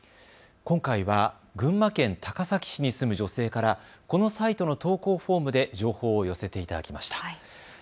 今回は群馬県高崎市に住む女性から、このサイトの投稿フォームで情報を寄せていただきました。